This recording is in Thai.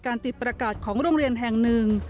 ติดประกาศของโรงเรียนแห่งหนึ่ง